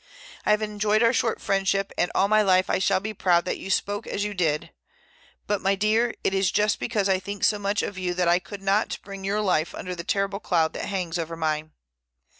I have enjoyed our short friendship, and all my life I shall be proud that you spoke as you did, but, my dear, it is just because I think so much of you that I could not bring your life under the terrible cloud that hangs over mine.